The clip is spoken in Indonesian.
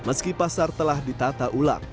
meski pasar telah ditata ulang